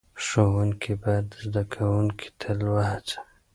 ښوونکي باید زده کوونکي تل وهڅوي.